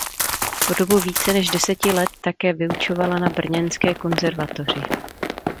Po dobu více než deseti let také vyučovala na brněnské konzervatoři.